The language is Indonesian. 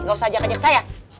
gak usah aja kejek saya